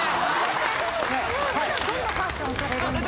普段どんなファッションをされるんですか？